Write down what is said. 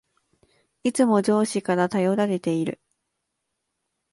いつも上司から頼られている